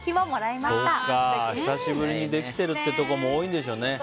久しぶりにできているってところも多いでしょうね。